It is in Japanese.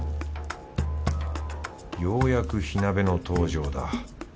ようやく火鍋の登場だ。